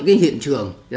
cái hiện trường